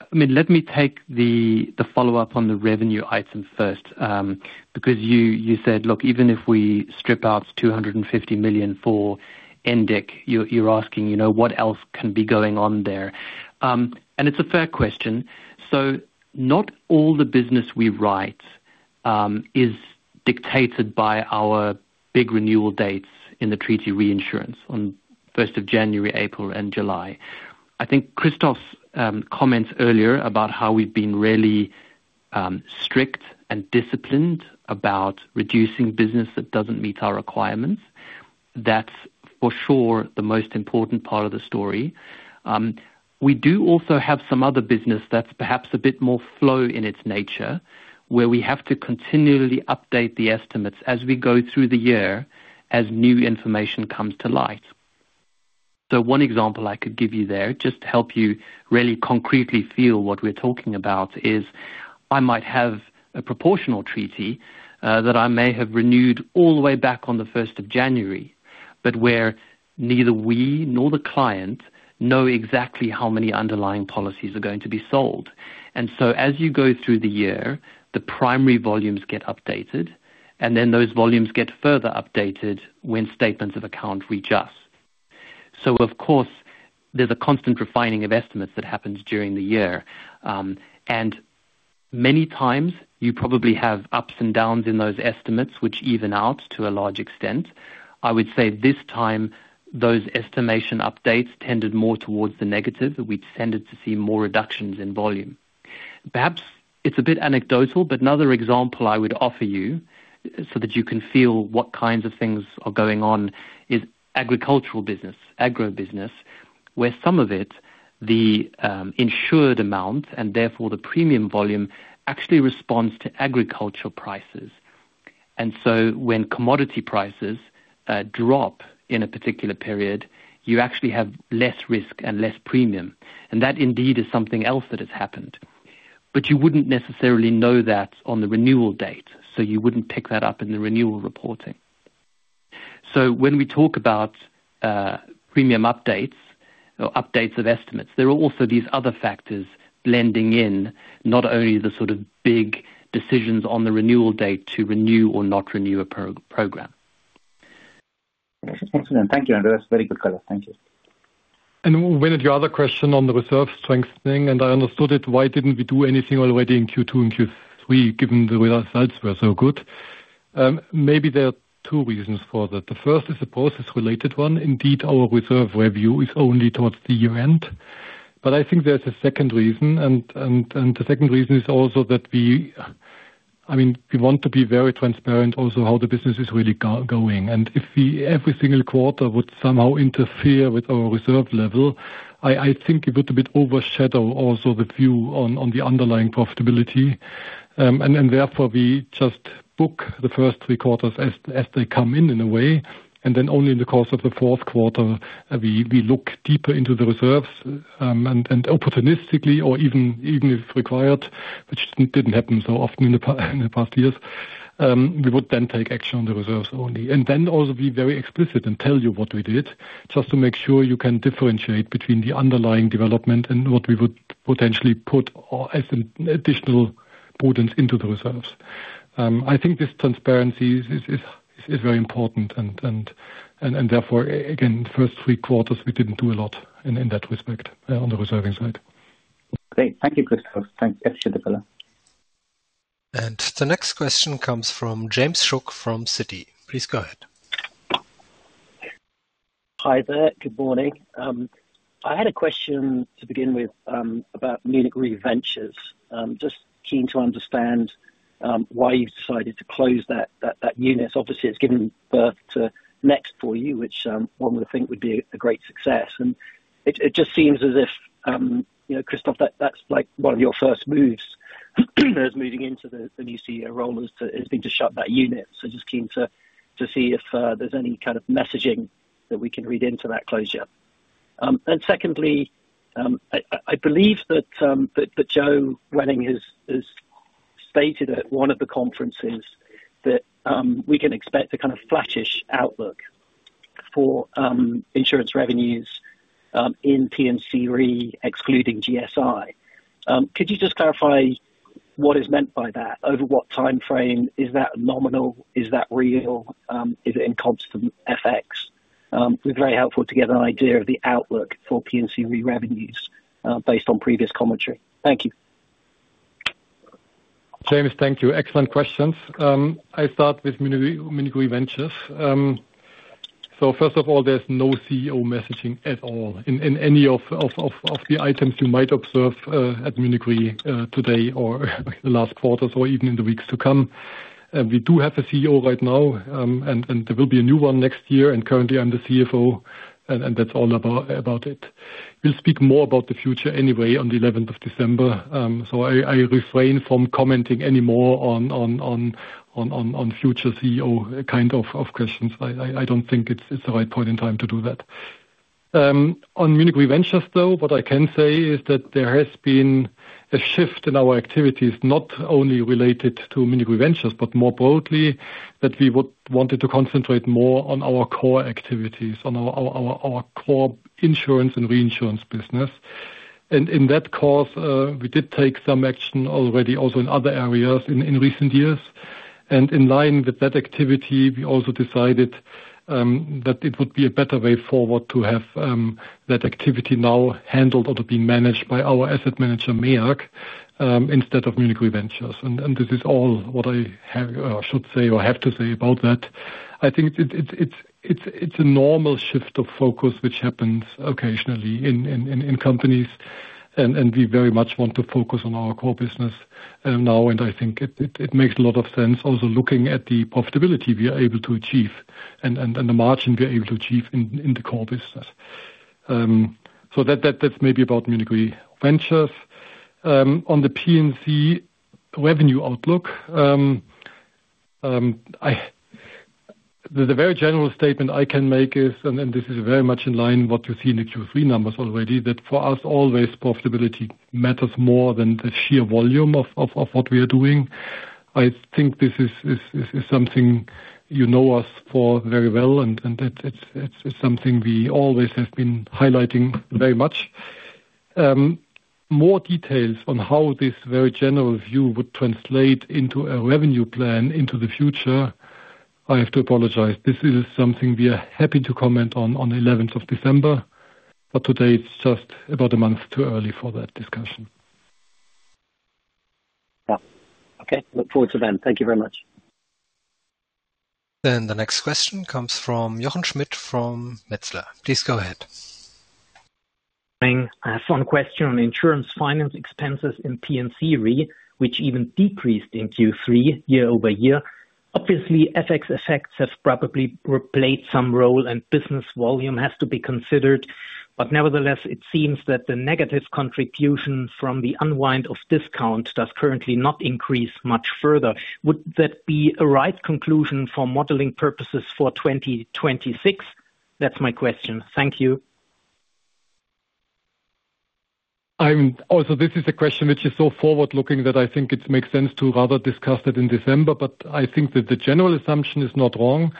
I mean, let me take the follow-up on the revenue item first because you said, "Look, even if we strip out 250 million for index, you're asking what else can be going on there." It's a fair question. Not all the business we write is dictated by our big renewal dates in the treaty reinsurance on 1st of January, April, and July. I think Christoph's comments earlier about how we've been really strict and disciplined about reducing business that doesn't meet our requirements, that's for sure the most important part of the story. We do also have some other business that's perhaps a bit more flow in its nature, where we have to continually update the estimates as we go through the year as new information comes to light. One example I could give you there, just to help you really concretely feel what we're talking about, is I might have a proportional treaty that I may have renewed all the way back on the 1st of January, but where neither we nor the client know exactly how many underlying policies are going to be sold. As you go through the year, the primary volumes get updated, and then those volumes get further updated when statements of account readjust. Of course, there is a constant refining of estimates that happens during the year. Many times, you probably have ups and downs in those estimates, which even out to a large extent. I would say this time, those estimation updates tended more towards the negative. We tended to see more reductions in volume. Perhaps it's a bit anecdotal, but another example I would offer you so that you can feel what kinds of things are going on is agricultural business, agribusiness, where some of it, the insured amount and therefore the premium volume actually responds to agriculture prices. When commodity prices drop in a particular period, you actually have less risk and less premium. That indeed is something else that has happened. You would not necessarily know that on the renewal date, so you would not pick that up in the renewal reporting. When we talk about premium updates or updates of estimates, there are also these other factors blending in, not only the sort of big decisions on the renewal date to renew or not renew a program. Excellent. Thank you, Andrew. Very good color. Thank you. Vinit, your other question on the reserve strengthening, I understood it. Why did not we do anything already in Q2 and Q3 given the results were so good? Maybe there are two reasons for that. The first is a process-related one. Indeed, our reserve review is only towards the year-end. I think there is a second reason. The second reason is also that we, I mean, we want to be very transparent also how the business is really going. If every single quarter would somehow interfere with our reserve level, I think it would a bit overshadow also the view on the underlying profitability. Therefore, we just book the first three quarters as they come in, in a way. Only in the course of the fourth quarter, we look deeper into the reserves and opportunistically, or even if required, which did not happen so often in the past years, we would then take action on the reserves only. We also are very explicit and tell you what we did just to make sure you can differentiate between the underlying development and what we would potentially put as additional prudence into the reserves. I think this transparency is very important. Therefore, again, first three quarters, we did not do a lot in that respect on the reserving side. Great. Thank you, Christoph. Thanks. Appreciate the color. The next question comes from James Shuck from Citi. Please go ahead. Hi there. Good morning. I had a question to begin with about Munich Re Ventures. Just keen to understand why you've decided to close that unit. Obviously, it's given birth to Next for you, which one would think would be a great success. It just seems as if, Christoph, that's one of your first moves as moving into the new CEO role has been to shut that unit. Just keen to see if there's any kind of messaging that we can read into that closure. Secondly, I believe that Joachim Wenning has stated at one of the conferences that we can expect a kind of flattish outlook for insurance revenues in P&C Re excluding GSI. Could you just clarify what is meant by that? Over what timeframe? Is that nominal? Is that real? Is it in constant FX? It would be very helpful to get an idea of the outlook for P&C Re revenues based on previous commentary. Thank you. James, thank you. Excellent questions. I'll start with Munich Re Ventures. First of all, there's no CEO messaging at all in any of the items you might observe at Munich Re today or the last quarters or even in the weeks to come. We do have a CEO right now, and there will be a new one next year. Currently, I'm the CFO, and that's all about it. We'll speak more about the future anyway on the 11th of December. I refrain from commenting anymore on future CEO kind of questions. I don't think it's the right point in time to do that. On Munich Re Ventures, though, what I can say is that there has been a shift in our activities, not only related to Munich Re Ventures, but more broadly, that we wanted to concentrate more on our core activities, on our core insurance and reinsurance business. In that course, we did take some action already also in other areas in recent years. In line with that activity, we also decided that it would be a better way forward to have that activity now handled or to be managed by our asset manager, MEAG, instead of Munich Re Ventures. This is all what I should say or have to say about that. I think it's a normal shift of focus which happens occasionally in companies. We very much want to focus on our core business now. I think it makes a lot of sense also looking at the profitability we are able to achieve and the margin we are able to achieve in the core business. That is maybe about Munich Re Ventures. On the P&C Revenue outlook, the very general statement I can make is, and this is very much in line with what you see in the Q3 numbers already, that for us, always profitability matters more than the sheer volume of what we are doing. I think this is something you know us for very well, and it is something we always have been highlighting very much. More details on how this very general view would translate into a revenue plan into the future, I have to apologize. This is something we are happy to comment on on the 11th of December. Today, it's just about a month too early for that discussion. Yeah. Okay. Look forward to then. Thank you very much. The next question comes from Jochen Schmitt from Metzler. Please go ahead. Morning. I have one question on insurance finance expenses in P&C Re, which even decreased in Q3 year-over-year. Obviously, FX effects have probably played some role, and business volume has to be considered. Nevertheless, it seems that the negative contribution from the unwind of discount does currently not increase much further. Would that be a right conclusion for modeling purposes for 2026? That's my question. Thank you. Also, this is a question which is so forward-looking that I think it makes sense to rather discuss that in December. I think that the general assumption is not wrong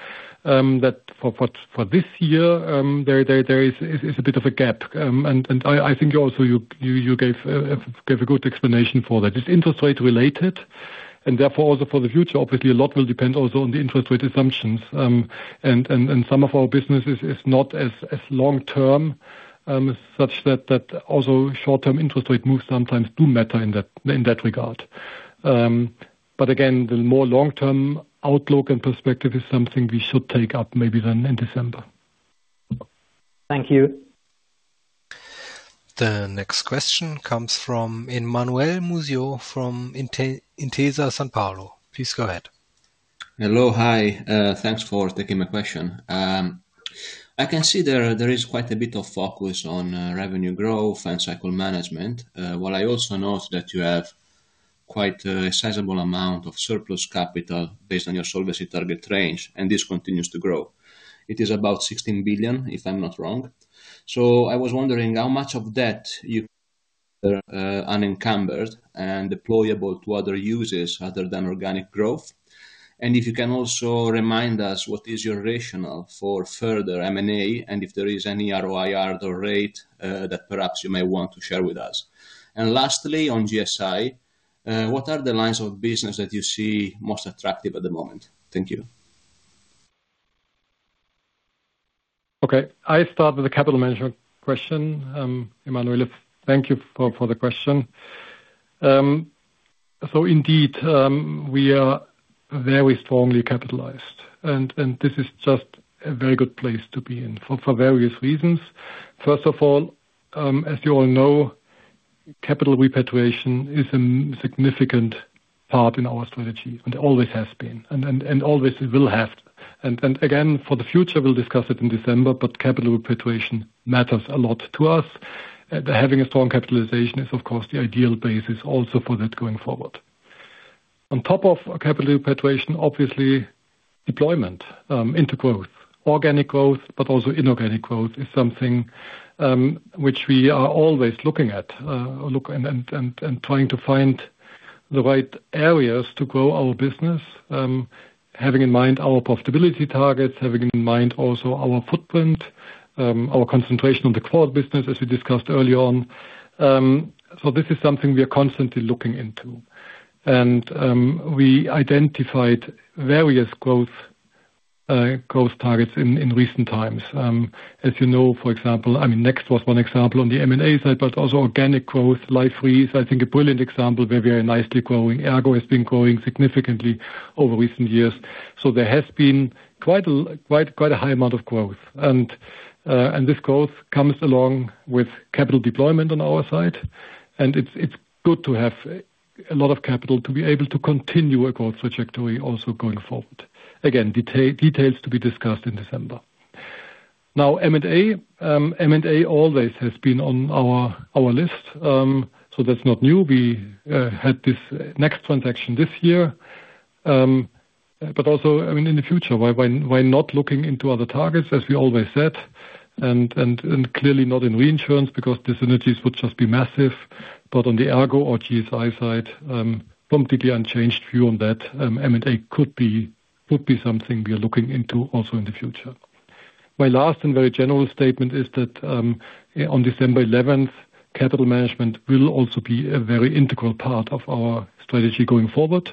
that for this year, there is a bit of a gap. I think also you gave a good explanation for that. It's interest rate related. Therefore, also for the future, obviously, a lot will depend also on the interest rate assumptions. Some of our business is not as long-term such that also short-term interest rate moves sometimes do matter in that regard. Again, the more long-term outlook and perspective is something we should take up maybe then in December. Thank you. The next question comes from Emanuele Musio from Intesa Sanpaolo. Please go ahead. Hello. Hi. Thanks for taking my question. I can see there is quite a bit of focus on revenue growth and cycle management while I also notice that you have quite a sizable amount of surplus capital based on your solvency target range. This continues to grow. It is about 16 billion, if I'm not wrong. I was wondering how much of that you unencumbered and deployable to other uses other than organic growth. If you can also remind us what is your rationale for further M&A and if there is any ROI or rate that perhaps you may want to share with us. Lastly, on GSI, what are the lines of business that you see most attractive at the moment? Thank you. Okay. I start with a capital management question. Emanuele, thank you for the question. Indeed, we are very strongly capitalized. This is just a very good place to be in for various reasons. First of all, as you all know, capital repatriation is a significant part in our strategy and always has been and always will have. For the future, we will discuss it in December, but capital repatriation matters a lot to us. Having a strong capitalization is, of course, the ideal basis also for that going forward. On top of capital repatriation, obviously, deployment into growth, organic growth, but also inorganic growth is something which we are always looking at and trying to find the right areas to grow our business, having in mind our profitability targets, having in mind also our footprint, our concentration on the core business, as we discussed earlier on. This is something we are constantly looking into. We identified various growth targets in recent times. As you know, for example, I mean, Next was one example on the M&A side, but also organic growth, life re is, I think, a brilliant example where we are nicely growing. ERGO has been growing significantly over recent years. There has been quite a high amount of growth. This growth comes along with capital deployment on our side. It is good to have a lot of capital to be able to continue a growth trajectory also going forward. Again, details to be discussed in December. M&A always has been on our list. That is not new. We had this Next transaction this year. Also, I mean, in the future, why not looking into other targets, as we always said, and clearly not in reinsurance because the synergies would just be massive. On the ERGO or GSI side, completely unchanged view on that. M&A could be something we are looking into also in the future. My last and very general statement is that on December 11th, capital management will also be a very integral part of our strategy going forward.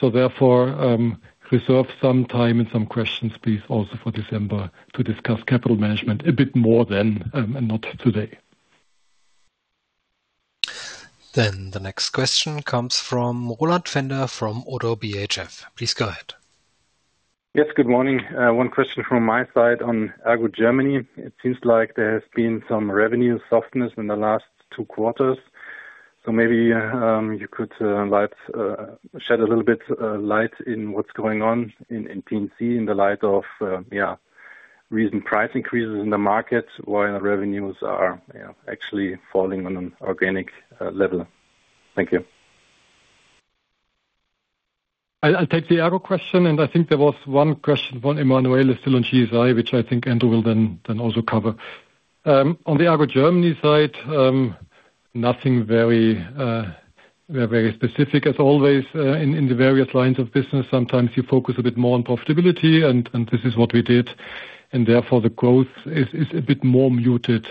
Therefore, reserve some time and some questions, please, also for December to discuss capital management a bit more then and not today. The next question comes from Roland Pfänder from ODDO BHF. Please go ahead. Yes. Good morning. One question from my side on ERGO Germany. It seems like there has been some revenue softness in the last two quarters. Maybe you could shed a little bit of light in what's going on in P&C in the light of, yeah, recent price increases in the market while the revenues are actually falling on an organic level. Thank you. I'll take the ERGO question. I think there was one question, one Emanuele still on GSI, which I think Andrew will then also cover. On the ERGO Germany side, nothing very specific as always in the various lines of business. Sometimes you focus a bit more on profitability. This is what we did. Therefore, the growth is a bit more muted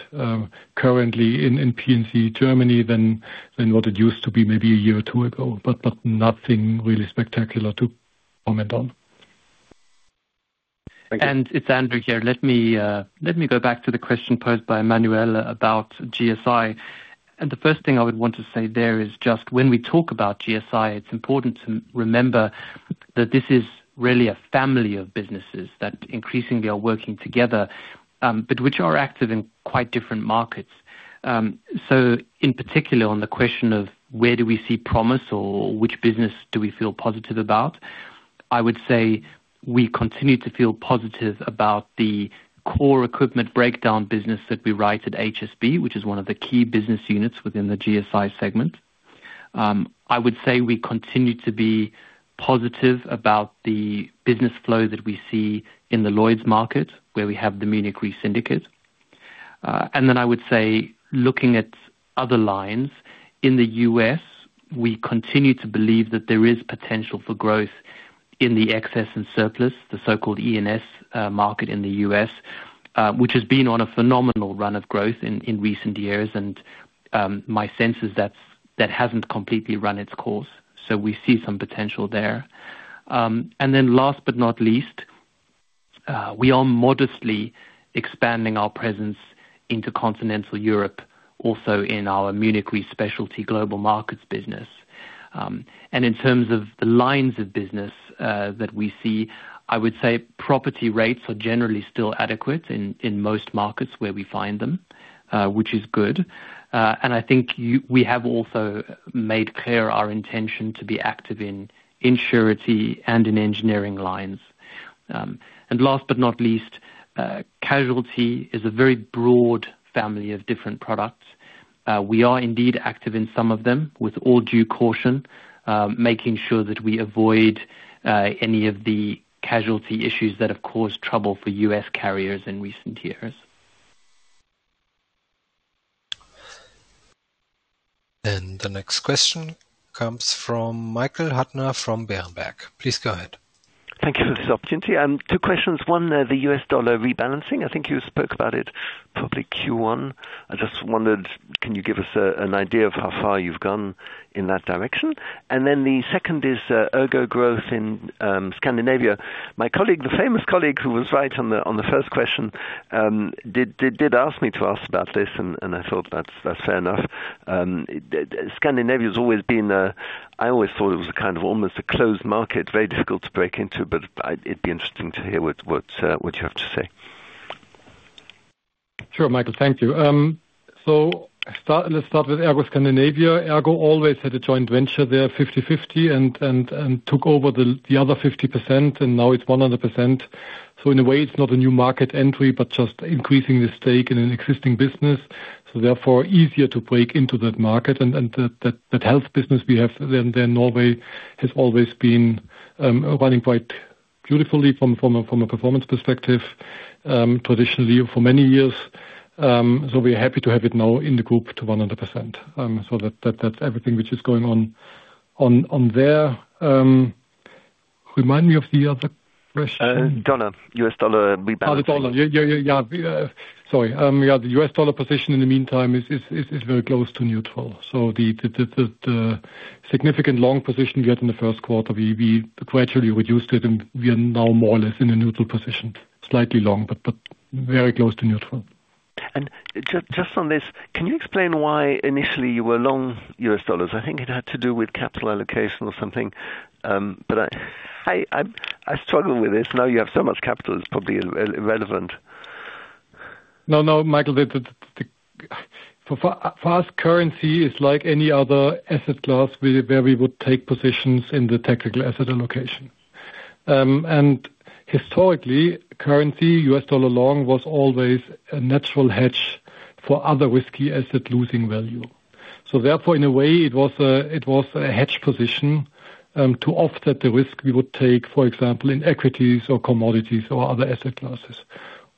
currently in P&C Germany than what it used to be maybe a year or two ago. Nothing really spectacular to comment on. Thank you. It is Andrew here. Let me go back to the question posed by Emanuele about GSI. The first thing I would want to say there is just when we talk about GSI, it is important to remember that this is really a family of businesses that increasingly are working together, but which are active in quite different markets. In particular, on the question of where do we see promise or which business do we feel positive about, I would say we continue to feel positive about the core equipment breakdown business that we write at HSB, which is one of the key business units within the GSI segment. I would say we continue to be positive about the business flow that we see in the Lloyd's market where we have the Munich Re Syndicate. I would say looking at other lines in the U.S., we continue to believe that there is potential for growth in the excess and surplus, the so-called E&S market in the U.S., which has been on a phenomenal run of growth in recent years. My sense is that has not completely run its course. We see some potential there. Last but not least, we are modestly expanding our presence into continental Europe, also in our Munich Re Specialty Global Markets business. In terms of the lines of business that we see, I would say property rates are generally still adequate in most markets where we find them, which is good. I think we have also made clear our intention to be active in insurity and in engineering lines. Last but not least, casualty is a very broad family of different products. We are indeed active in some of them with all due caution, making sure that we avoid any of the casualty issues that have caused trouble for U.S. carriers in recent years. The next question comes from Michael Huttner from Berenberg. Please go ahead. Thank you for this opportunity. Two questions. One, the U.S. dollar rebalancing. I think you spoke about it probably Q1. I just wondered, can you give us an idea of how far you've gone in that direction? The second is ERGO growth in Scandinavia. My colleague, the famous colleague who was right on the first question, did ask me to ask about this. I thought that's fair enough. Scandinavia has always been a, I always thought it was a kind of almost a closed market, very difficult to break into. It would be interesting to hear what you have to say. Sure, Michael. Thank you. Let's start with ERGO Scandinavia. ERGO always had a joint venture there 50/50 and took over the other 50%. Now it's 100%. In a way, it's not a new market entry, just increasing the stake in an existing business. Therefore, easier to break into that market. That health business we have there in Norway has always been running quite beautifully from a performance perspective traditionally for many years. We're happy to have it now in the group to 100%. That's everything which is going on there. Remind me of the other question. Dollar, U.S. dollar rebalancing. Oh, the dollar. Yeah, yeah, yeah. Sorry. Yeah, the U.S. dollar position in the meantime is very close to neutral. So the significant long position we had in the first quarter, we gradually reduced it. We are now more or less in a neutral position, slightly long, but very close to neutral. Can you explain why initially you were long U.S. dollars? I think it had to do with capital allocation or something. I struggle with this. Now you have so much capital. It is probably irrelevant. No, no, Michael. For us, currency is like any other asset class where we would take positions in the technical asset allocation. Historically, currency U.S. dollar long was always a natural hedge for other risky asset losing value. Therefore, in a way, it was a hedge position to offset the risk we would take, for example, in equities or commodities or other asset classes.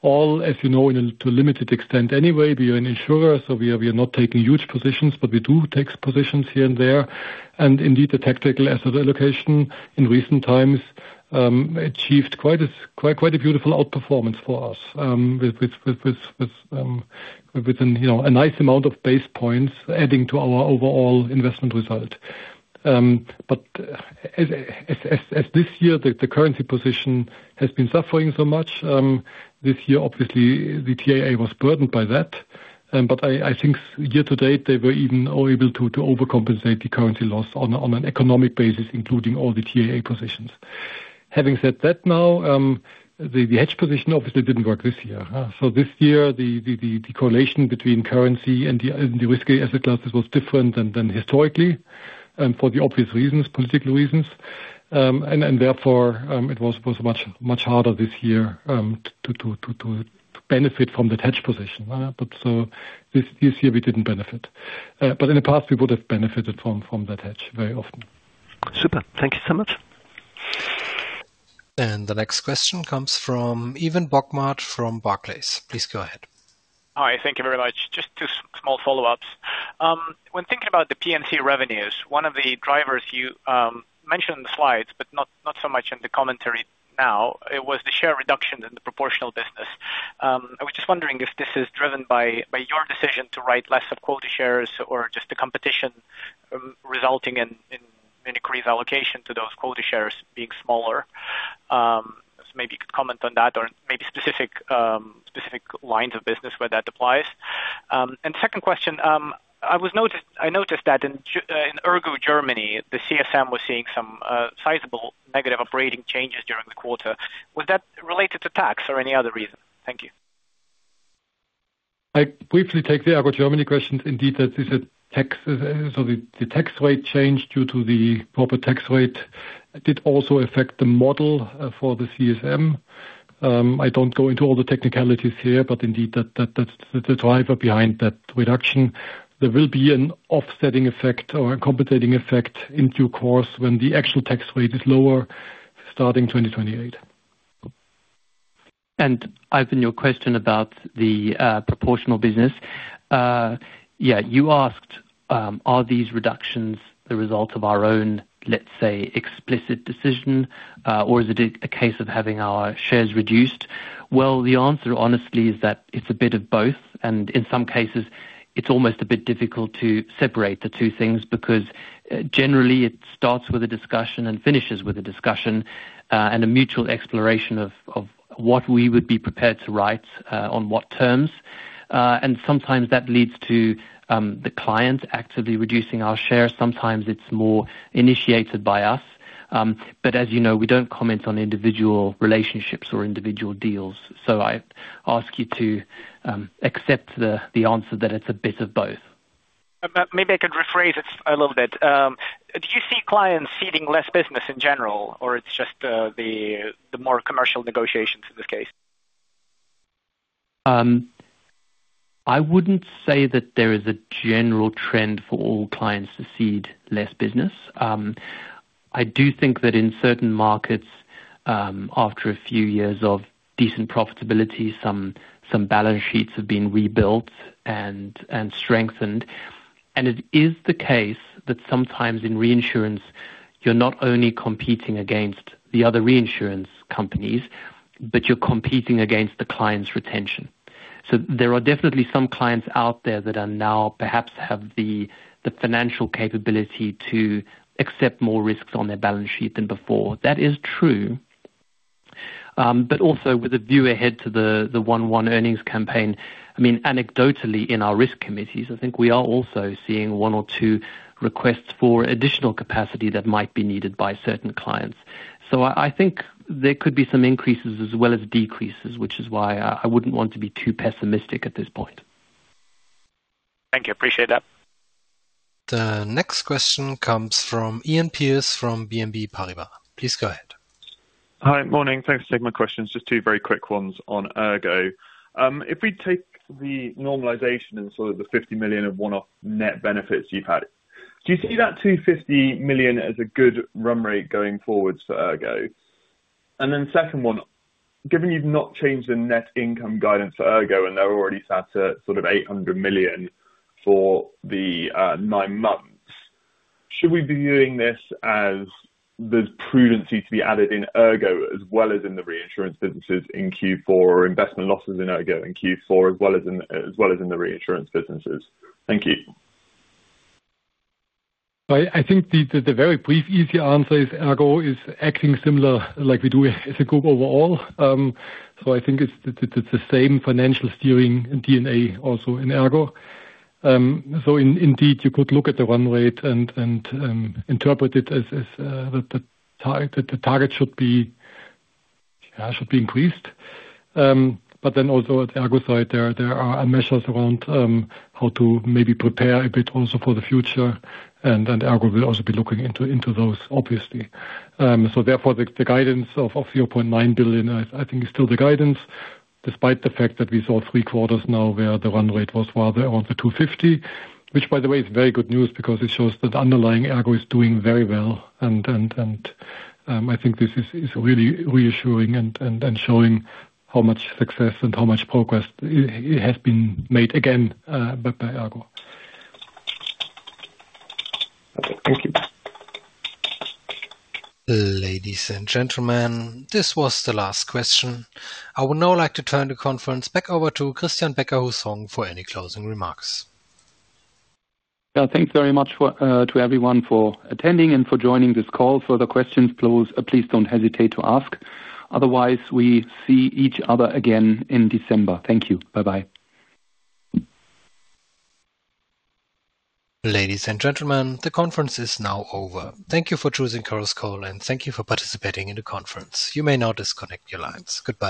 All, as you know, to a limited extent anyway. We are an insurer. We are not taking huge positions, but we do take positions here and there. Indeed, the technical asset allocation in recent times achieved quite a beautiful outperformance for us with a nice amount of basis points adding to our overall investment result. As this year, the currency position has been suffering so much. This year, obviously, the TAA was burdened by that. I think year to date, they were even able to overcompensate the currency loss on an economic basis, including all the TAA positions. Having said that, now the hedge position obviously did not work this year. This year, the correlation between currency and the risky asset classes was different than historically for the obvious reasons, political reasons. Therefore, it was much harder this year to benefit from that hedge position. This year, we did not benefit. In the past, we would have benefited from that hedge very often. Super. Thank you so much. The next question comes from Ivan Bokhmat from Barclays. Please go ahead. Hi. Thank you very much. Just two small follow-ups. When thinking about the P&C revenues, one of the drivers you mentioned in the slides, but not so much in the commentary now, was the share reduction in the proportional business. I was just wondering if this is driven by your decision to write less of quality shares or just the competition resulting in Munich Re's allocation to those quality shares being smaller. Maybe you could comment on that or maybe specific lines of business where that applies. Second question, I noticed that in ERGO Germany, the CSM was seeing some sizable negative operating changes during the quarter. Was that related to tax or any other reason? Thank you. I briefly take the ERGO Germany question. Indeed, that is a tax. The tax rate change due to the proper tax rate did also affect the model for the CSM. I do not go into all the technicalities here, but indeed, that is the driver behind that reduction. There will be an offsetting effect or a compensating effect in due course when the actual tax rate is lower starting 2028. Ivan, your question about the proportional business. You asked, are these reductions the result of our own, let's say, explicit decision, or is it a case of having our shares reduced? The answer, honestly, is that it's a bit of both. In some cases, it's almost a bit difficult to separate the two things because generally, it starts with a discussion and finishes with a discussion and a mutual exploration of what we would be prepared to write on what terms. Sometimes that leads to the client actively reducing our shares. Sometimes it's more initiated by us. As you know, we do not comment on individual relationships or individual deals. I ask you to accept the answer that it's a bit of both. Maybe I could rephrase it a little bit. Do you see clients ceding less business in general, or is it just the more commercial negotiations in this case? I wouldn't say that there is a general trend for all clients to cede less business. I do think that in certain markets, after a few years of decent profitability, some balance sheets have been rebuilt and strengthened. It is the case that sometimes in reinsurance, you're not only competing against the other reinsurance companies, but you're competing against the client's retention. There are definitely some clients out there that now perhaps have the financial capability to accept more risks on their balance sheet than before. That is true. Also with a view ahead to the one-to-one earnings campaign, I mean, anecdotally in our risk committees, I think we are also seeing one or two requests for additional capacity that might be needed by certain clients. I think there could be some increases as well as decreases, which is why I would not want to be too pessimistic at this point. Thank you. Appreciate that. The next question comes from Iain Pearce from BNP Paribas. Please go ahead. Hi. Morning. Thanks for taking my questions. Just two very quick ones on ERGO. If we take the normalization and sort of the 50 million of one-off net benefits you've had, do you see that 250 million as a good run rate going forward for ERGO? The second one, given you've not changed the net income guidance for ERGO and they're already set to sort of 800 million for the nine months, should we be viewing this as the prudency to be added in ERGO as well as in the reinsurance businesses in Q4 or investment losses in ERGO in Q4 as well as in the reinsurance businesses? Thank you. I think the very brief, easy answer is ERGO is acting similar like we do as a group overall. I think it's the same financial steering DNA also in ERGO. Indeed, you could look at the run rate and interpret it as the target should be increased. Also at ERGO's side, there are measures around how to maybe prepare a bit also for the future. ERGO will also be looking into those, obviously. Therefore, the guidance of 0.9 billion, I think, is still the guidance despite the fact that we saw three quarters now where the run rate was rather around the 250 million, which, by the way, is very good news because it shows that underlying ERGO is doing very well. I think this is really reassuring and showing how much success and how much progress has been made again by ERGO. Thank you. Ladies and gentlemen, this was the last question. I would now like to turn the conference back over to Christian Becker-Hussong for any closing remarks. Thanks very much to everyone for attending and for joining this call. Further questions, please do not hesitate to ask. Otherwise, we see each other again in December. Thank you. Bye-bye. Ladies and gentlemen, the conference is now over. Thank you for choosing Chorus Call, and thank you for participating in the conference. You may now disconnect your lines. Goodbye.